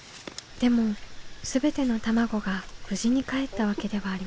でも全ての卵が無事にかえったわけではありませんでした。